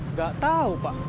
nggak tahu pak